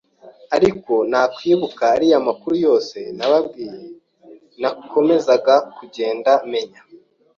ariko nakwibuka ariya makuru yose nababwiye nakomezaga kugenda menya